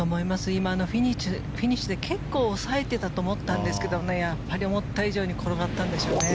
今、フィニッシュで結構抑えていたと思ったんですが思った以上に転がったんでしょうね。